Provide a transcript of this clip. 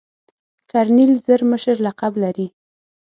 کرنیل زر مشر لقب لري.